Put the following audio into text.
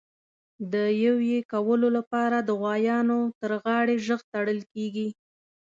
د یویې کولو لپاره د غوایانو تر غاړي ژغ تړل کېږي.